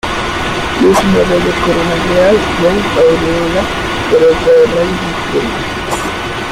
Luce una bella corona real von aureola por otra de rayos y estrellas.